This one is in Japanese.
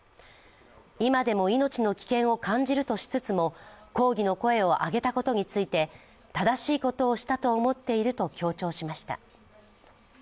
今でも命の危険を感じるとしつつも抗議の声を上げたことについて正しいことをしたと思っていると強調しました。